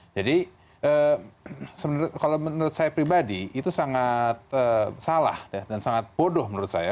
jadi kalau menurut saya pribadi itu sangat salah dan sangat bodoh menurut saya